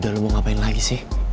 udah lo mau ngapain lagi sih